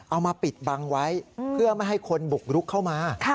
เอามาปิดบังไว้เพื่อไม่ให้คนบุกรุกเข้ามา